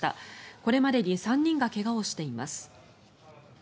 これまでに３人が怪我をしています。